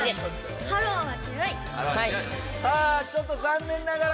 さあちょっとざんねんながら。